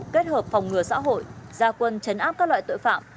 kết hợp phòng ngừa xã hội gia quân chấn áp các loại tội phạm